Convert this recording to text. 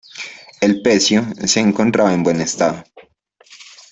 El pecio se encontraba en buen estado.